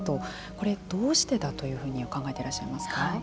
これ、どうしてだというふうに考えていらっしゃいますか。